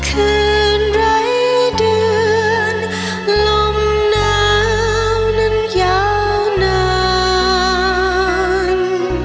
คืนไร้เดือนลมหนาวนั้นยาวนาน